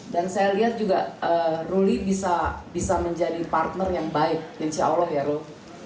dan saya lihat juga ruli bisa menjadi partner yang baik insya allah ya ruli